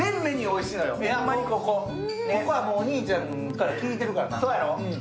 ここはもうお兄ちゃんから聞いてるしな。